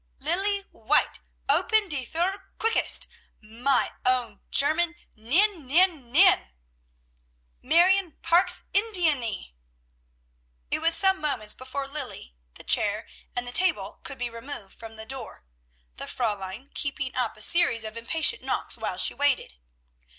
"Lilly White, open die Thur, quickest! My own German! Nein! Nein! Nein! "Marione Parke's Indianee!" It was some moments before Lilly, the chair and the table, could be removed from the door, the Fräulein keeping up a series of impatient knockings while she waited.